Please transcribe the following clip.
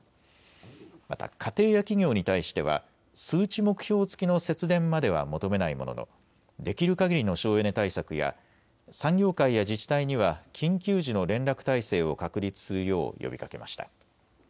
また家庭や企業に対しては数値目標付きの節電までは求めないものの、できるかぎりの省エネ対策や産業界や自治体には緊急時の連絡体制を確立するよう呼びかけました。